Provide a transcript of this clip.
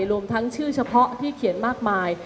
รวมทั้งชื่อเฉพาะที่เขียนมากมาย